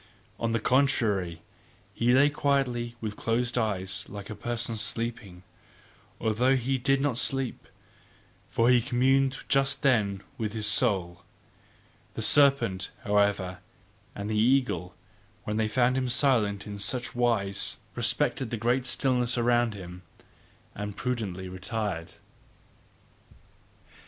On the contrary, he lay quietly with closed eyes like a person sleeping, although he did not sleep; for he communed just then with his soul. The serpent, however, and the eagle, when they found him silent in such wise, respected the great stillness around him, and prudently retired.